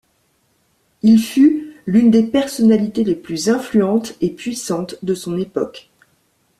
Il fut l'une des personnalités les plus influentes et puissantes de son époque.